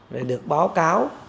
rồi được báo cáo